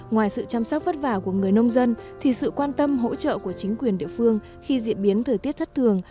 ngoài sự chăm sóc vất vả của người nông dân thì sự quan tâm hỗ trợ của chính quyền địa phương khi diễn biến thời tiết thất thường